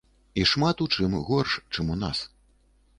І шмат у чым горш, чым у нас.